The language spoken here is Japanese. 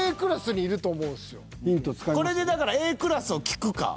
これでだからＡクラスを聞くか。